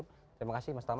terima kasih mas tama